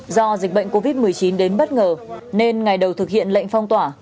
do dịch bệnh covid một mươi chín đến bất ngờ nên ngày đầu thực hiện lệnh phong tỏa